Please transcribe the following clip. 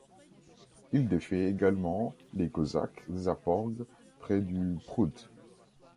Il défait également les Cosaques zaporgues près du Prout.